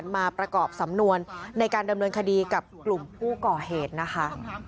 ไม่ต้องก่อเหตุนะคะ